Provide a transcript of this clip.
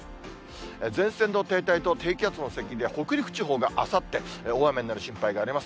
前線の停滞と低気圧の接近で、北陸地方があさって、大雨になる心配があります。